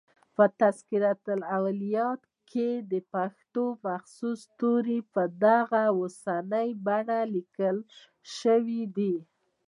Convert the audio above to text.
په" تذکرة الاولیاء" کښي دپښتو مخصوص توري په دغه اوسنۍ بڼه لیکل سوي دي.